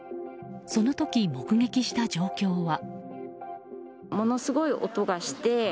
その時、目撃した状況は。